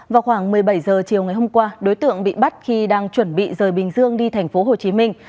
vào khoảng một mươi bảy giờ chiều ngày hôm qua đối tượng bị bắt khi đang chuẩn bị rời bình dương đi thành phố hồ chí minh